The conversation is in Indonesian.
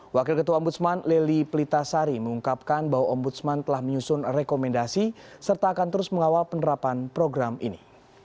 wakil ketua ombudsman leli pelitasari mengungkapkan bahwa ombudsman telah menyusun rekomendasi serta akan terus mengawal penerapan program ini